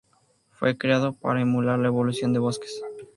Fue creado para emular la evolución de bosques.